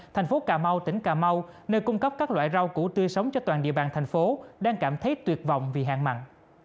thành phố cà mau tỉnh cà mau nơi cung cấp các loại rau củ tươi sống cho toàn địa bàn thành phố đang cảm thấy tuyệt vọng vì hạn mặn